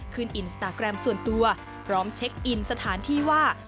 อินสตาแกรมส่วนตัวพร้อมเช็คอินสถานที่ว่า